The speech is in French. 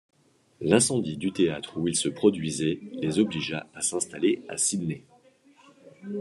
L'incendie du théâtre où ils se produisaient les obligea à s'installer à Sydney.